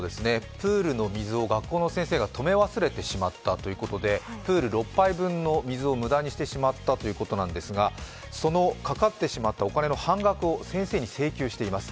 プールの水を学校の先生が止め忘れてしまったということでプール６杯分の水を無駄にしてしまったということなんですが、そのかかってしまったお金の半額を先生に請求しています。